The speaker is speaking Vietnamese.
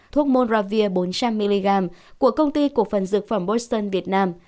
thuốc monravir bốn trăm linh mg của công ty cổ phần dược phẩm bosson việt nam